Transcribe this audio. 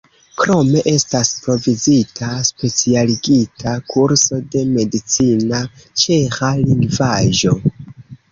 Krome estas provizita specialigita kurso de medicina ĉeĥa lingvaĵo.